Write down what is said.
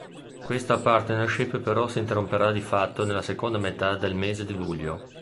Questa partnership però si interromperà di fatto nella seconda metà del mese di luglio.